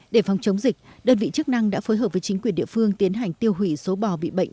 để phòng chống dịch đơn vị chức năng đã phối hợp với chính quyền địa phương tiến hành tiêu hủy số bò bị bệnh